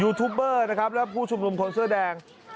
ทูบเบอร์นะครับและผู้ชุมนุมคนเสื้อแดง